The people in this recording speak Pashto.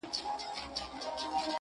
ډېر یې زړه سو چي له ځان سره یې سپور کړي،